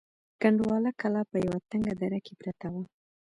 کنډواله کلا په یوه تنگه دره کې پرته وه.